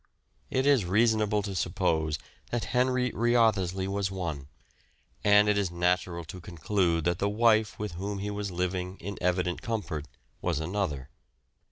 It is reasonable to suppose that Henry Wriothesley was one, and it is natural to conclude that the wife with whom he was living in evident comfort was another.